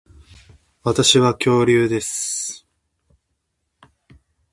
私は恐竜です